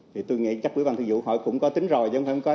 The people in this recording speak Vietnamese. thì tôi nghĩ chắc quý bà thư vụ hỏi cũng có tính rồi chứ không phải không có